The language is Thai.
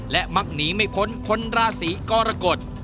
และมักหนีไม่พ้นคนราศีกรกฎ